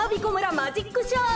マジックショー。